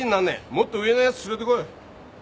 もっと上のやつ連れてこい。